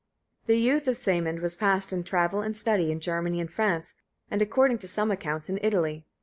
The youth of Sæmund was passed in travel and study, in Germany and France, and, according to some accounts, in Italy.